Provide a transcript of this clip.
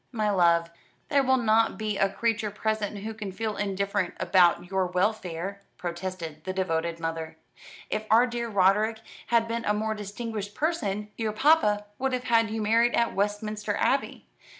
"My love, there will not be a creature present who can feel indifferent about your welfare," protested the devoted mother. "If our dear Roderick had been a more distinguished person, your papa would have had you married in Westminster Abbey.